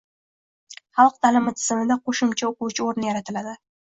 xalq ta’limi tizimida qo‘shimcha o‘quvchi o‘rni yaratiladi.